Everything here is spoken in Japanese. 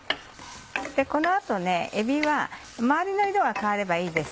この後えびは周りの色が変わればいいです。